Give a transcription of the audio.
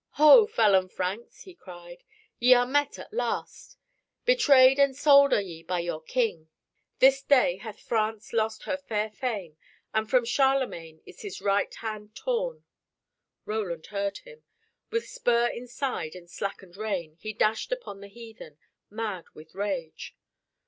"Ho, felon Franks!" he cried, "ye are met at last. Betrayed and sold are ye by your King. This day hath France lost her fair fame, and from Charlemagne is his right hand torn." Roland heard him. With spur in side and slackened rein, he dashed upon the heathen, mad with rage.